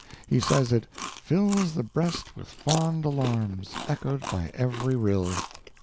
He says it "fills the breast with fond alarms, echoed by every rill."